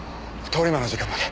通り魔の時間まで。